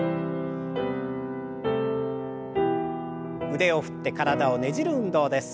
腕を振って体をねじる運動です。